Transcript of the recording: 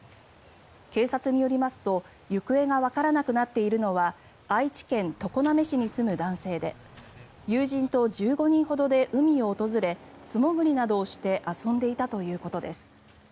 警察によりますと行方がわからなくなっているのは愛知県豊田市に住む男性で友人と１５人ほどで海を訪れ素潜りなどをして遊んでいたということです。